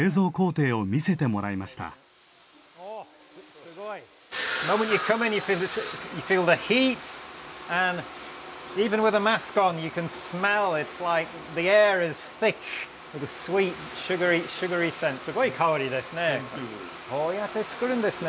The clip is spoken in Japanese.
すごい香りですね。